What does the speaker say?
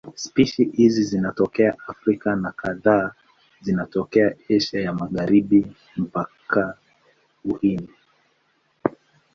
Spishi hizi zinatokea Afrika na kadhaa zinatokea Asia ya Magharibi mpaka Uhindi.